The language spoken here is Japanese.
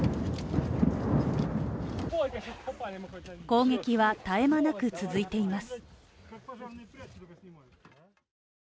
攻撃は絶え間なく続いています。